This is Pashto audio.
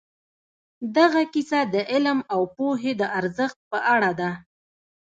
دغه کیسه د علم او پوهې د ارزښت په اړه ده.